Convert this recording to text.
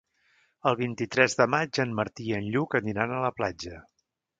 El vint-i-tres de maig en Martí i en Lluc aniran a la platja.